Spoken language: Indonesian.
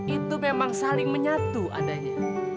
itu memang saling menyatu adanya